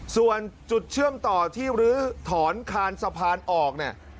ส่วนจุดเชื่อมต่อที่ลื้อถอนคานสะพานออกเนี่ย